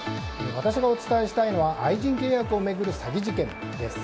私がお伝えしたいのは愛人契約を巡る詐欺事件です。